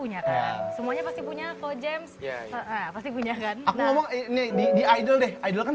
nyata semuanya pasti punya kalau james pasti punya kan aku ngomong ini di idol deh idol kan